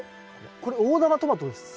これ大玉トマトですか？